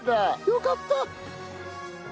よかった！